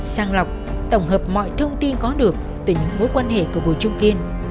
sang lọc tổng hợp mọi thông tin có được từ những mối quan hệ của bùi trung kiên